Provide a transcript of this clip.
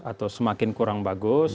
atau semakin kurang bagus